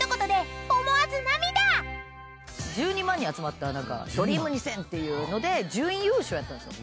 １２万人集まったｄｒｅａｍ２０００っていうので準優勝やったんですよ。